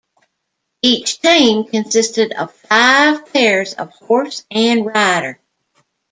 Each team consisted of five pairs of horse and rider.